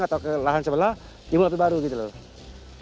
atau ke lahan sebelah dimulai api baru gitu loh